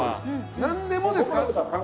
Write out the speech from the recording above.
何でもですか？